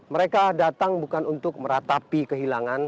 mereka datang bukan untuk meratapi kehilangan